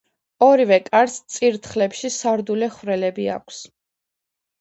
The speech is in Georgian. ორივე კარს წირთხლებში საურდულე ხვრელები აქვს.